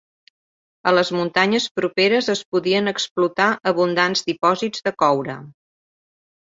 A les muntanyes properes es podien explotar abundants dipòsits de coure.